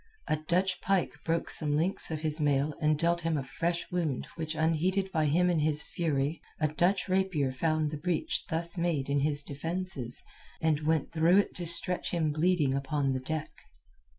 A Dutch pike broke some links of his mail and dealt him a flesh wound which went unheeded by him in his fury; a Dutch rapier found the breach thus made in his defences, and went through it to stretch him bleeding upon the deck.